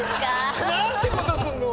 何てことすんの！